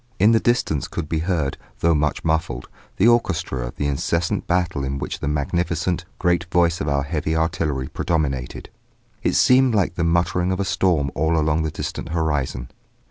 In the distance could be heard, though much muffled, the orchestra of the incessant battle in which the magnificent, great voice of our heavy artillery predominated; it seemed like the muttering of a storm all along the distant horizon.